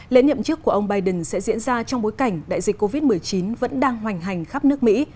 lễ nhậm chức của ông biden sẽ diễn ra trong bối cảnh đại dịch covid một mươi chín vẫn đang hoành hành khắp nước mỹ